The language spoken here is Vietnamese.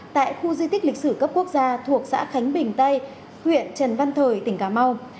tại khu di tích lịch sử cấp quốc gia thuộc xã khánh bình tây huyện trần văn thời tỉnh cà mau